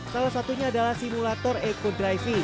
salah satunya adalah simulator eco driving